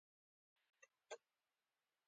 افغانستان څومره شهیدان ورکړي؟